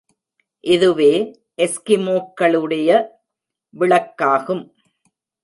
இதுவே எஸ்கிமோக்களுடைய விளக்காகும்.